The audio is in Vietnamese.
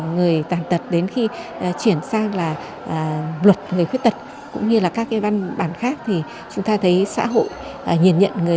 người tàn tật đến khi chuyển sang là luật người khuyết tật cũng như là các cái văn bản khác thì chúng ta thấy xã hội nhìn nhận